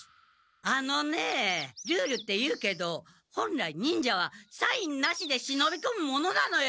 あのねルールって言うけど本来忍者はサインなしで忍びこむものなのよ！